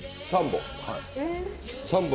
３本。